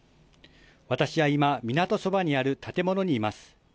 私は今、港そばにある建物にいます。